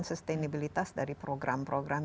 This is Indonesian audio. dan sustenabilitas dari program program